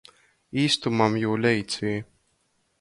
Īstumam jū leicī.